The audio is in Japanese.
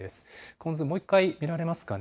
この図、もう一回、見られますかね。